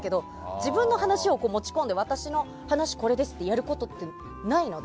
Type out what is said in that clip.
自分の話を持ち込んで私の話はこれですってやることってないので。